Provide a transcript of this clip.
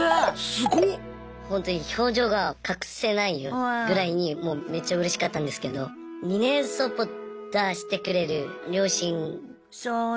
ほんとに表情が隠せないぐらいにもうめっちゃうれしかったんですけど２年サポート出してくれる両親。